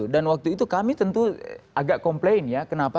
dan waktu itu kami tentu agak komplain ya kenapa